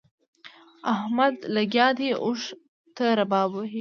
احمد لګيا دی؛ اوښ ته رباب وهي.